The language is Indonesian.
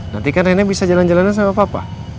nanti kan reina bisa jalan jalan sama papa